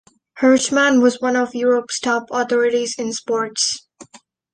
Herschmann was one of Europe's top authorities in sports.